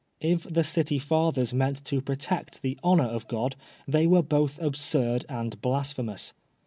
If the City Fathers meant to protect the honor of God, they were both absurd and blasphemous.